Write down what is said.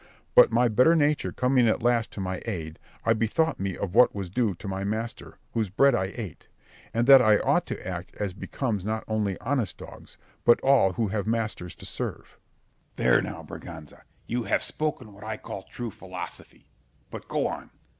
But my better nature coming at last to my aid, I bethought me of what was due to my master, whose bread I ate; and that I ought to act as becomes not only honest dogs, but all who have masters to serve. Scip. There now, Berganza, you have spoken what I call true philosophy; but go on.